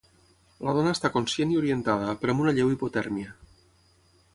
La dona està conscient i orientada, però amb una lleu hipotèrmia.